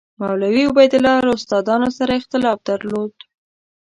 مولوي عبیدالله له استادانو سره اختلاف درلود.